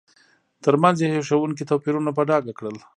ترمنځ یې هیښوونکي توپیرونه په ډاګه کړل.